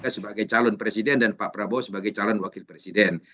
sebagai calon presiden dan pak prabowo sebagai calon wakil presiden